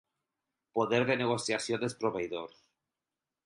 Poder de negociació dels proveïdors.